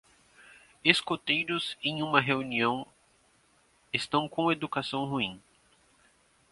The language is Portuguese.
Escoteiros em uma reunião estão com educação ruim.